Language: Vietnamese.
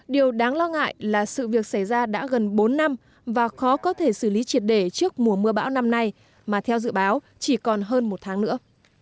điều đáng lo ngại là sự việc xảy ra đã gần bốn năm và khó có thể xử lý triệt để trước mùa mưa bão năm nay mà theo dự báo chỉ còn hơn một tháng nữa